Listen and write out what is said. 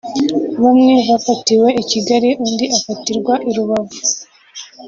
Bamwe bafatiwe i Kigali undi afatirwa i Rubavu